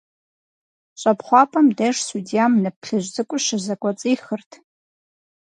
ЩӀэпхъуапӀэм деж судьям нып плъыжь цӀыкӀур щызэкӀуэцӀихырт.